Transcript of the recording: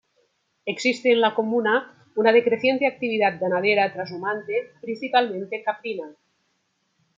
Existe en la comuna una decreciente actividad ganadera trashumante principalmente caprina.